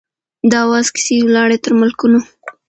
د آواز کیسې یې ولاړې تر ملکونو